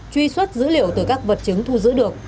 truy xuất dữ liệu từ các vật chứng thu giữ được